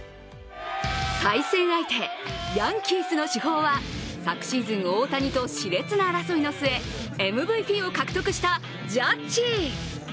対戦相手・ヤンキースの主砲は昨シーズン、大谷としれつな争いの末、ＭＶＰを獲得したジャッジ。